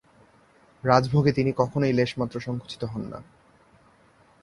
রাজভোগে তিনি কখনো লেশমাত্র সংকুচিত হন না।